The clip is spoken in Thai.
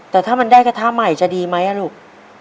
แต่ถ้ามันได้กระทะใหม่จะดีไหมลูก